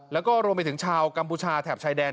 แล้วก็รวมไปถึงชาวกัมพูชาแถบชายแดน